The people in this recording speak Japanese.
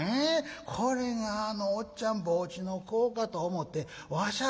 これがあの『おっちゃん帽子』の子かと思てわしゃ